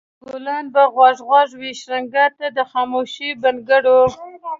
ګلان به غوږ غوږ وي شرنګا ته د خاموشو بنګړو